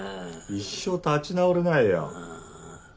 一生立ち直れないよ。